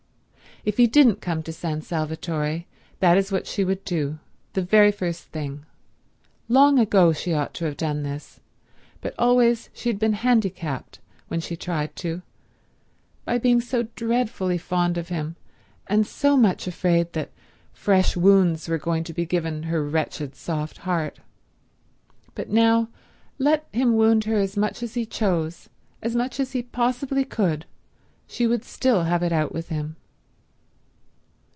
If he didn't come to San Salvatore that is what she would do—the very first thing. Long ago she ought to have done this, but always she had been handicapped, when she tried to, by being so dreadfully fond of him and so much afraid that fresh wounds were going to be given her wretched, soft heart. But now let him wound her as much as he chose, as much as he possibly could, she would still have it out with him.